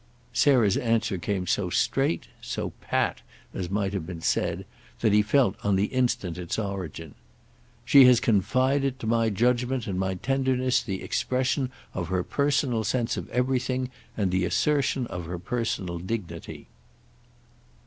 Sarah's answer came so straight, so "pat," as might have been said, that he felt on the instant its origin. "She has confided to my judgement and my tenderness the expression of her personal sense of everything, and the assertion of her personal dignity."